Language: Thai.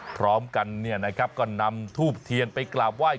พร้อมกันก็นำทูบเทียนไปกราบไหว้